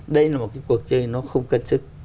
đây là một cái cuộc chơi nó không cân sức